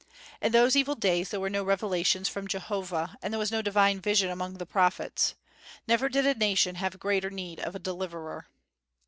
In those evil days there were no revelations from Jehovah, and there was no divine vision among the prophets. Never did a nation have greater need of a deliverer.